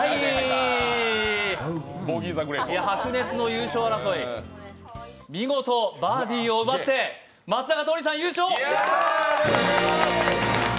白熱の優勝争い、見事バーディーを奪って松坂桃李さん優勝！